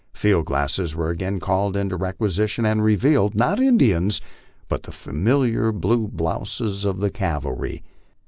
Field glasses were again called into requisition, and revealed, not Indians, but the familiar blue blouses of the cavalry.